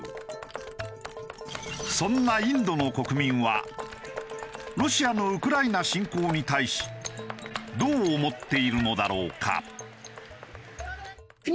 そんなインドの国民はロシアのウクライナ侵攻に対しどう思っているのだろうか？